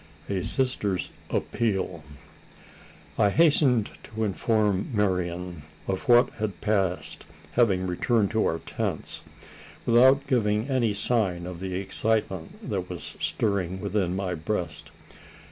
A SISTER'S APPEAL. I hastened to inform Marian of what had passed having returned to the tents, without giving any sign of the excitement that was stirring within my breast.